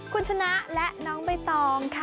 คุณชนะและน้องใบตองค่ะ